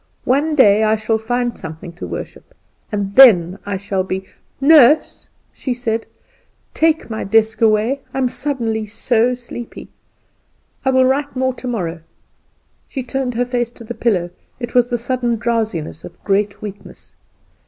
One day I shall find something to worship, and then I shall be " "Nurse," she said; "take my desk away; I am suddenly so sleepy; I will write more tomorrow." She turned her face to the pillow; it was the sudden drowsiness of great weakness.